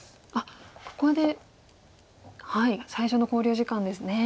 ここで最初の考慮時間ですね。